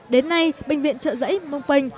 đến nay bệnh viện trợ giấy brompenh